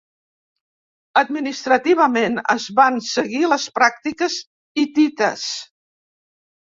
Administrativament es van seguir les pràctiques hitites.